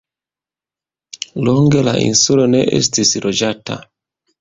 Longe la insulo ne estis loĝata.